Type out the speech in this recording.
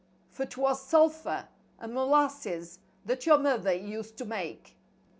For *twas sulphur and molasses that your mother used to make.